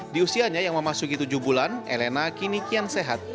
di usianya yang memasuki tujuh bulan elena kini kian sehat